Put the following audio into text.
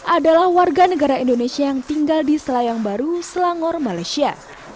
adalah warga negara indonesia yang tinggal di selayang baru selangor malaysia